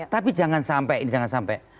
tapi jangan sampai ini jangan sampai